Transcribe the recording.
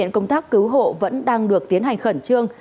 cứu hộ vẫn đang được tiến hành khẩn trương